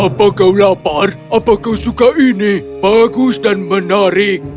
apa kau lapar apa kau suka ini bagus dan menarik